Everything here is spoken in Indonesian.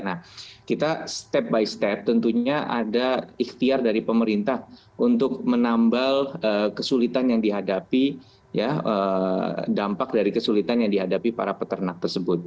nah kita step by step tentunya ada ikhtiar dari pemerintah untuk menambal kesulitan yang dihadapi ya dampak dari kesulitan yang dihadapi para peternak tersebut